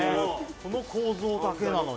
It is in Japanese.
この構造だけなのに。